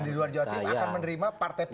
di luar jatim akan menerima partai partai itu